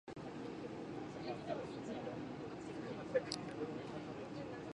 オレンジと白のチェック模様のハンカチ